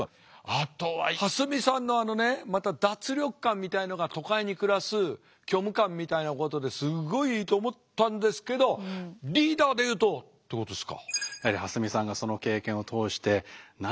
あとは蓮見さんのあのねまた脱力感みたいのが都会に暮らす虚無感みたいなことですごいいいと思ったんですけどリーダーでいうとってことですか。